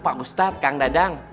pak ustadz kang dadang